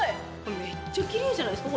めっちゃきれいじゃないですか？